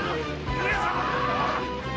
上様！